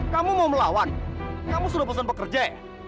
kamu mau melawan kamu sudah pesan pekerja